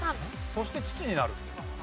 『そして父になる』。